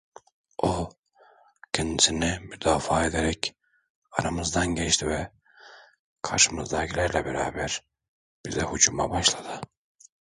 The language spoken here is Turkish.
O, kendisini müdafaa ederek aramızdan geçti ve karşımızdakilerle beraber bize hücuma başladı.